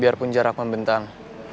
biarpun jarak membentang